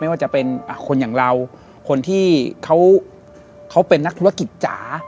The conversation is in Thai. ว่าจะเป็นคนอย่างเราคนที่เขาเป็นนักธุรกิจจ๋า